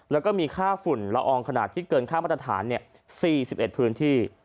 แล้วก็มีค่าฝุ่นละอองขนาดที่เกินค่ามาตรฐาน๔๑พื้นที่